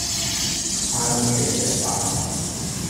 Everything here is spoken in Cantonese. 返屋企食飯